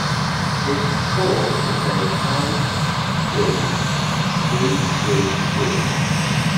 Its call is a high, thin "swee swee swee".